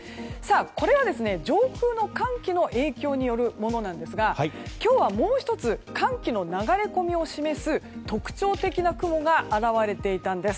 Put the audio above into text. これは上空の寒気の影響によるものなんですが今日はもう１つ寒気の流れ込みを示す特徴的な雲が現れていたんです。